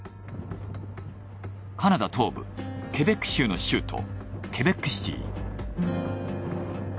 カナダ東部ケベック州の州都ケベックシティー。